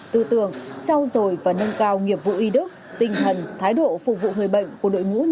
tư tưởng trao dồi và nâng cao nghiệp vụ y đức tinh thần thái độ phục vụ người bệnh của đội ngũ